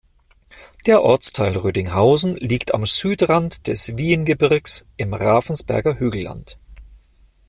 Der Ortsteil Rödinghausen liegt am Südrand des Wiehengebirges im Ravensberger Hügelland.